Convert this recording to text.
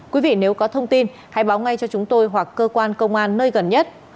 quý vị nếu có thông tin hãy báo ngay cho chúng tôi hoặc cơ quan công an nơi gần nhất